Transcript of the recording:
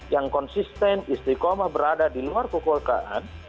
yang konsisten istiqomah berada di luar kekulkaan